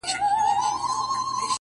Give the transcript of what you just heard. دغه د کرکي او نفرت کليمه’